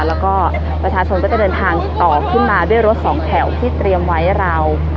แล้วก็ประชาชนก็จะเดินทางต่อขึ้นมาด้วยรถสองแถวที่เตรียมไว้ราว